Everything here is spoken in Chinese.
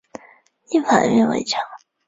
立法院围墙